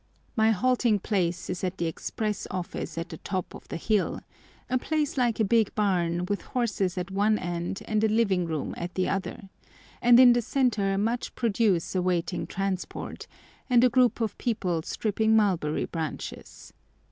My halting place is at the express office at the top of the hill—a place like a big barn, with horses at one end and a living room at the other, and in the centre much produce awaiting transport, and a group of people stripping mulberry branches.